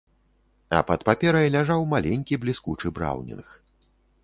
А пад паперай ляжаў маленькі бліскучы браўнінг.